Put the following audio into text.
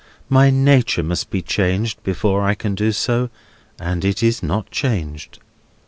My nature must be changed before I can do so, and it is not changed.